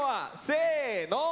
せの。